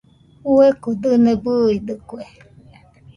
Fueko dɨne bɨidɨkue.